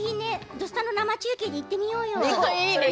ぜひ「土スタ」の生中継で行ってみようよ。